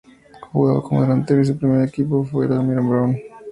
Jugaba como delantero y su primer equipo fue Almirante Brown.